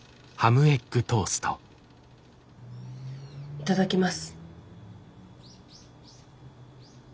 いただきます。